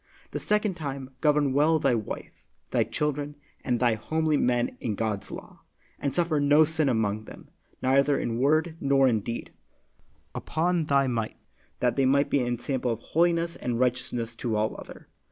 The second time, govern well thy wife, thy children, and thy homely men in God's law, and suffer no sin among them, neither in word nor in deed, upon thy might, that they may be ensample of holiness and righteousness to all other.